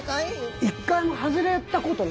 一回も外れたことないでしょ？